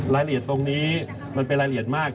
รายละเอียดตรงนี้มันเป็นรายละเอียดมาก